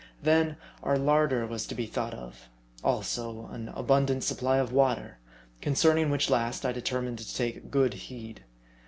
Then, our larder was to be thought of ; also, an abundant supply of water ; concerning which last I determined to take good heed.